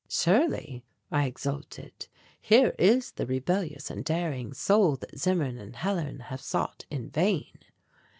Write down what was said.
Surely, I exulted, here is the rebellious and daring soul that Zimmern and Hellar have sought in vain.